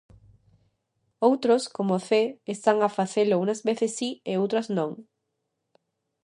Outros como Cee, están a facelo unhas veces si e outras non.